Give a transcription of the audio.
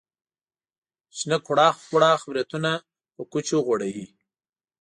شنه کوړاخ کوړاخ بریتونه په کوچو غوړوي.